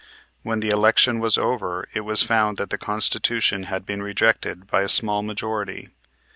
When the election was over it was found that the Constitution had been rejected by a small majority.